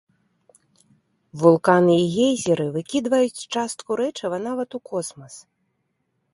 Вулканы і гейзеры выкідваюць частку рэчыва нават у космас.